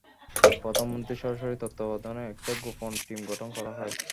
প্রধানমন্ত্রীর সরাসরি তত্ত্বাবধানে, একটা গোপন টিম গঠন করা হয়।